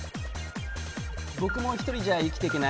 僕も１人で生きていけない。